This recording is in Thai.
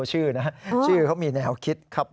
ชื่อมีแนวคิดครับ